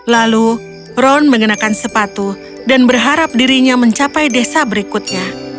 lalu ron mengenakan sepatu dan berharap dirinya mencapai desa berikutnya